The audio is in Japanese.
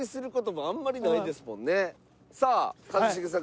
さあ一茂さん